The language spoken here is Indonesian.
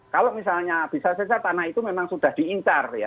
kalau misalnya bisa saja tanah itu memang sudah diincar ya